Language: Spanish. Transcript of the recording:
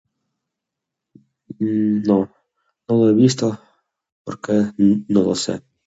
mmm No, no lo he visto, porque nn...no lo sé.